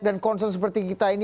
dan konsen seperti kita ini